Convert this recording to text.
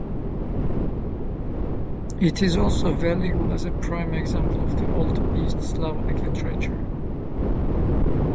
It is also valuable as a prime example of the Old East Slavonic literature.